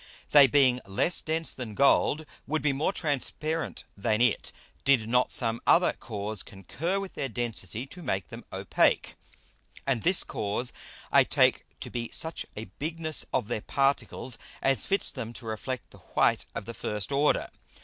They being less dense than Gold would be more transparent than it, did not some other Cause concur with their Density to make them opake. And this Cause I take to be such a Bigness of their Particles as fits them to reflect the white of the first order.